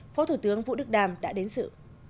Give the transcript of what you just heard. phó thủ tướng vũ đức đam đã đến sự